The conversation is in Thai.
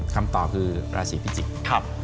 คำตอบคือราศีพิจิกษ์